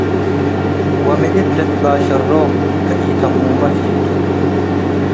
ወምእት ልትባሸሮም ከኢተሙመ ፊቱ፣